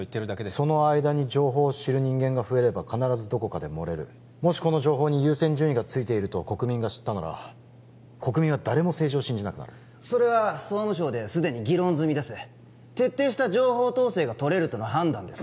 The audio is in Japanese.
その間に情報を知る人間が増えれば必ずどこかで漏れるもしこの情報に優先順位がついていると国民が知ったなら国民は誰も政治を信じなくなるそれは総務省ですでに議論済みです徹底した情報統制がとれるとの判断です